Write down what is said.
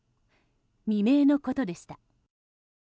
未明のことでした。